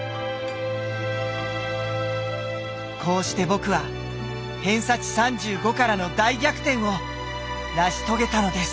こうして僕は偏差値３５からの大逆転を成し遂げたのです。